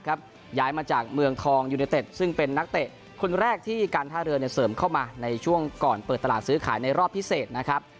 ย้ายมาจากเมืองทองยูเนเต็ดซึ่งเป็นนักเตะคนแรกที่การท่าเรือเสริมเข้ามาในช่วงก่อนเปิดตลาดซื้อขายในรอบพิเศษนะครับ